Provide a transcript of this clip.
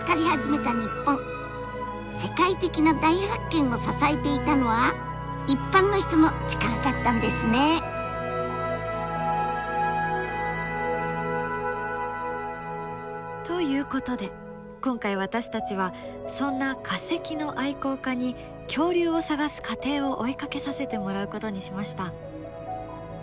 世界的な大発見を支えていたのは一般の人の力だったんですね！ということで今回私たちはそんな化石の愛好家に恐竜を探す過程を追いかけさせてもらうことにしました。